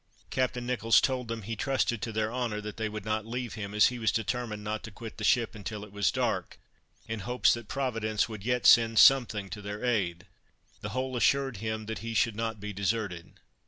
Captain Nicholls told them, he trusted to their honor that they would not leave him, as he was determined not to quit the ship until it was dark, in hopes that Providence would yet send something to their aid; the whole assured him that he should not be deserted.